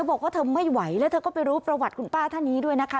บอกว่าเธอไม่ไหวแล้วเธอก็ไปรู้ประวัติคุณป้าท่านนี้ด้วยนะคะ